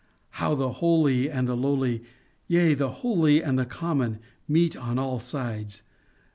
how the holy and the lowly, yea the holy and the common meet on all sides!